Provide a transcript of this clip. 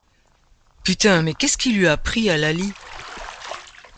Putain, mais qu’est-ce qui lui a pris à Laly ?